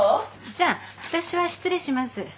じゃあ私は失礼します。